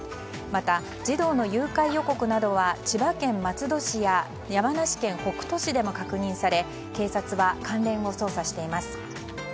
また、児童の誘拐予告などは千葉県松戸市や山梨県北杜市でも確認され警察は関連を捜査しています。